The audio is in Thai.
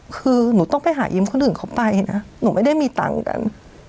คือหนูต้องไปหายิ้มคนอื่นเขาไปนะหนูไม่ได้มีตังค์กัน